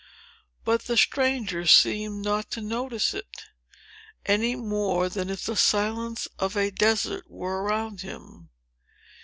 But the stranger seemed not to notice it, any more than if the silence of a desert were around him.